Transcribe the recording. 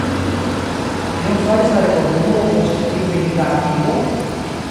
Kion faris la rekordulo post tiu mirinda atingo?